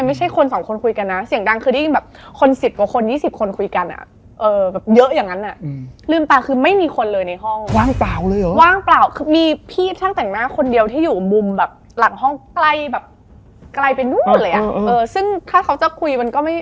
หมายถึงว่าตอนเรานั่งรถป่ะเรารู้สึกดีขึ้นมาอยู่แบบพักหนึ่งเลย